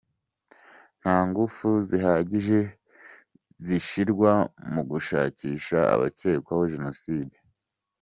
Nta ngufu zihagije zishirwa mu gushakisha abakekwaho Jenoside.